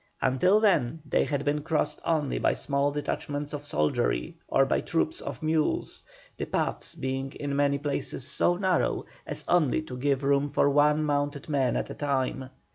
Until then they had been crossed only by small detachments of soldiery, or by troops of mules, the paths being in many places so narrow as only to give room for one mounted man at a time.